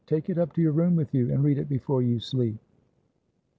Take it up to your room with you, and read it before you sleep."